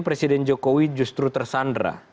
presiden jokowi justru tersandra